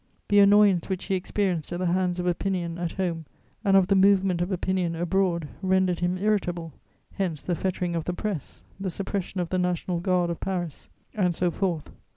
The annoyance which he experienced at the hands of opinion at home and of the movement of opinion abroad rendered him irritable: hence the fettering of the press, the suppression of the National Guard of Paris, and so forth.